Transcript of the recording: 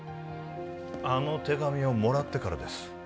あの手紙をもらってからです